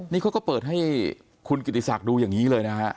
นี่เขาก็เปิดให้คุณกิติศักดิ์ดูอย่างนี้เลยนะฮะ